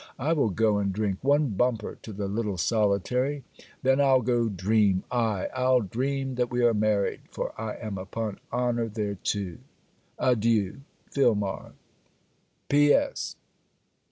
I will go and drink one bumper to the little solitary; then, I'll go dream. Aye: I'll dream that we are married; for I am upon honour there too. Adieu! FILMAR _P.S.